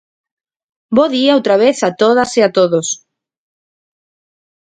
Bo día outra vez a todas e a todos.